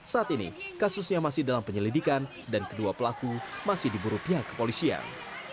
saat ini kasusnya masih dalam penyelidikan dan kedua pelaku masih diburu pihak kepolisian